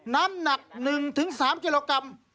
น้ำหนัก๑๓กิโลกรัม